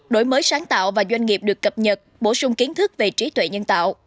đổi mới sáng tạo và doanh nghiệp được cập nhật bổ sung kiến thức về trí tuệ nhân tạo